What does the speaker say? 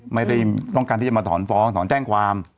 ไม่ได้ต้องการที่จะมาถอนฟ้องถอนแจ้งความ